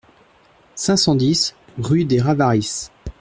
cinq cent dix rue des Ravarys